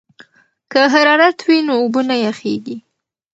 که حرارت وي نو اوبه نه یخیږي.